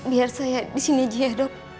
biar saya disini aja ya dok